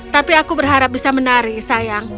tapi aku berharap bisa menari sayang